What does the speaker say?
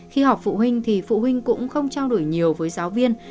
khi học phụ huynh thì phụ huynh cũng không trao đổi nhiều với giáo viên